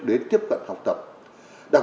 đến tiếp cận công nghệ đấy